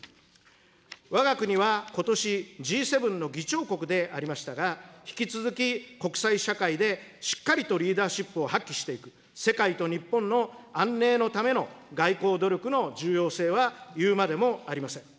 わが国はことし、Ｇ７の議長国でありましたが、引き続き国際社会でしっかりとリーダーシップを発揮していく、世界と日本の安寧のための外交努力の重要性は言うまでもありません。